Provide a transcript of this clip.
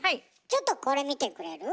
ちょっとこれ見てくれる？